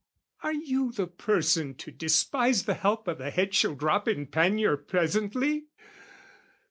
Are you the person to despise the help O' the head shall drop in pannier presently?